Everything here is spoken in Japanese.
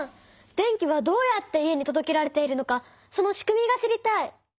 電気はどうやって家にとどけられているのかそのしくみが知りたい！